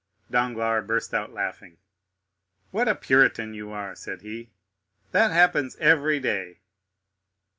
Danglars burst out laughing. "What a Puritan you are!" said he; "that happens every day."